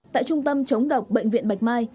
tại trung tâm chống độc bệnh viện bạch mai